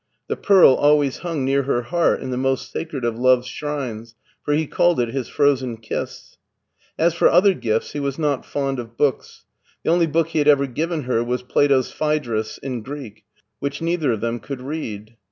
The pearl always hung near her heart in the most sacred of love's shrines, for he called it his frozen kiss. As for other gifts, he was not fond of books. The only book he had ever given her was Plato's Phae drus " in Greek, which neither of them could read.